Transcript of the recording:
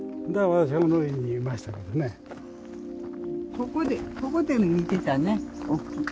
ここでここで見てたね。